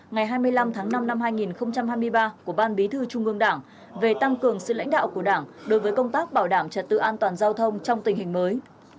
ngày hai mươi năm tháng năm năm hai nghìn hai mươi ba của ban bí thư trung ương đảng về tăng cường sự lãnh đạo của đảng đối với công tác bảo đảm trật tự an toàn giao thông trong tình hình mới